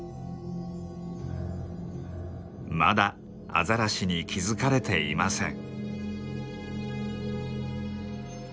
まだアザラシに気付かれていません。